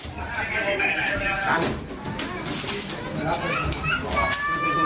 มาเร็วเข้าไปเข้าไปเข้าไป